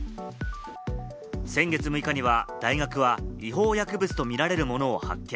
先月６日には大学は違法薬物とみられるものを発見。